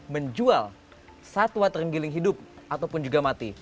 menjual satwa ternggiling hidup ataupun juga mati